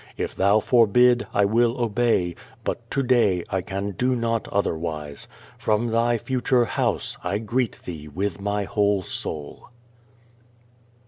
If thou forbid, I will obey, but to day I can do not otherwise. From thy future house I greet thee with my whole soul.